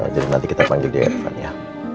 jadi nanti kita panggil dia irfan ya